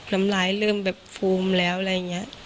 น้ำลายเริ่มแบบฟูมแล้วอะไรอย่างนี้